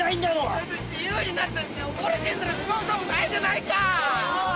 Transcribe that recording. だって自由になったっておぼれ死んだら身もフタもないじゃないか！